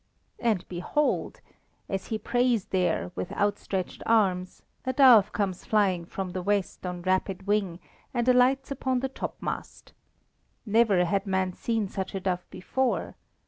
And behold! as he prays there with outstretched arms, a dove comes flying from the west on rapid wing, and alights upon the topmast. Never had man seen such a dove before.